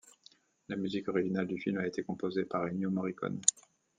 La musique originale du film a été composée par Ennio Morricone.